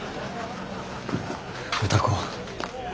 歌子。